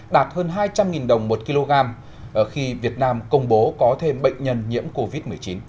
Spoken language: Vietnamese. đạt hơn hai trăm linh đồng một kg khi việt nam công bố có thêm bệnh nhân nhiễm covid một mươi chín